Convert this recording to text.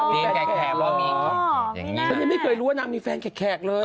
สักทีก็ไม่เคยรู้ว่านางนั้นมีแฟนแขกเลย